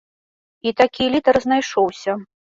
І такі лідар знайшоўся.